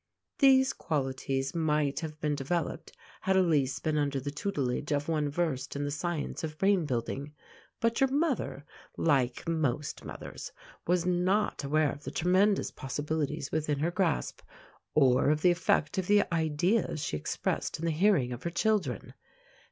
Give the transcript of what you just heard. These qualities might have been developed had Elise been under the tutelage of some one versed in the science of brain building, but your mother, like most mothers, was not aware of the tremendous possibilities within her grasp, or of the effect of the ideas she expressed in the hearing of her children.